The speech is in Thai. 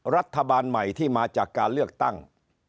รัฐบาลใหม่ที่มาจากการเลือกตั้ง